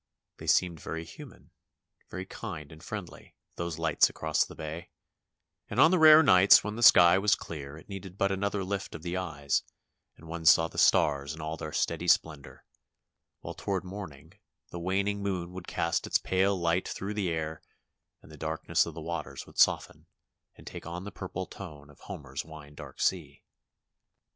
They seemed very human, very kind and friendly, those lights across the bay, and on the rare nights when the sky was clear it needed but another lift of the eyes and one saw the stars in all then steady splendor, while toward morning, the waning moon would cast its pale Hght through the air and the dark ness of the waters would soften and take on the purple tone of Homer's wine dark sea.